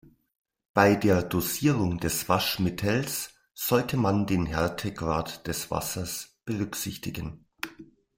Bei der Dosierung des Waschmittels sollte man den Härtegrad des Wassers berücksichtigen.